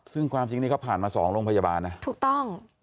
ซึ่งความจริงนี่เขาผ่านมา๒โรงพยาบาลนะถูกต้อง